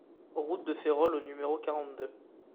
Route de Férolles au numéro quarante-deux